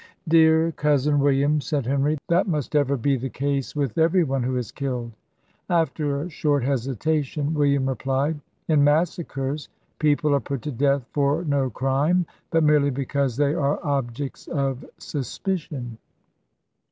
"Dear cousin William," said Henry, "that must ever be the case with every one who is killed." After a short hesitation, William replied: "In massacres people are put to death for no crime, but merely because they are objects of suspicion."